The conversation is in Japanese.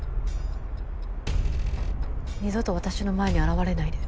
二度と私の前に現れないで。